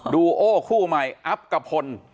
ดูโอคู่ใหม่อัพกะพล